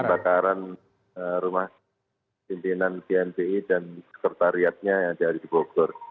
kebakaran rumah pimpinan bnti dan sekretariatnya yang ada di bogor